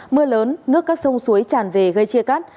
mưa lớn nước các sông suối tràn về gây chia cắt